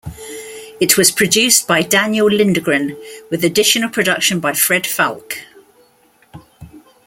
It was produced by Daniel Lindegren, with additional production by Fred Falke.